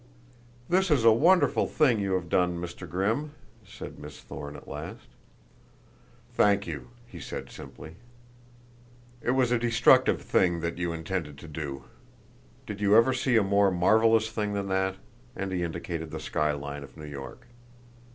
"This is a wonderful thing you have done, Mr. Grimm," said Miss Thorne at last. "Thank you," he said simply. "It was a destructive thing that you intended to do. Did you ever see a more marvelous thing than that?" and he indicated the sky line of New York.